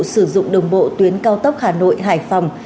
sử dụng đồng bộ tuyến cao tốc hà nội hải phòng